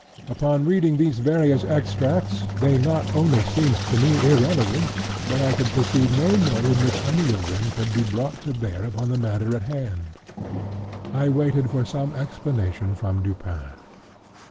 Upon reading these various extracts, they not only seemed to me irrelevant, but I could perceive no mode in which any one of them could be brought to bear upon the matter in hand. I waited for some explanation from Dupin.